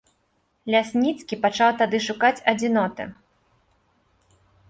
Лясніцкі пачаў тады шукаць адзіноты.